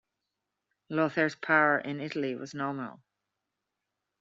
Lothair's power in Italy was nominal.